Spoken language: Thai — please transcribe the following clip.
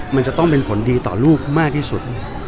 มันจะต้องเป็นผลดีต่อลูกมากที่สุด